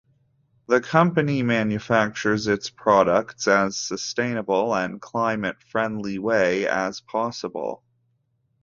The company manufactures its products as sustainable and climate friendly way as possible.